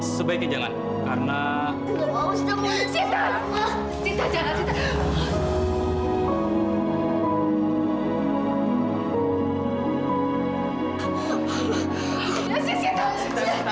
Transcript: sita harus lihat